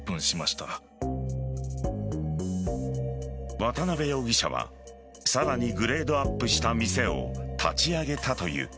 渡辺容疑者はさらにグレードアップした店を立ち上げたという。